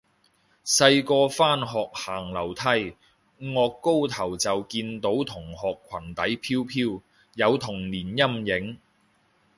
細個返學行樓梯，顎高頭就見到同學裙底飄飄，有童年陰影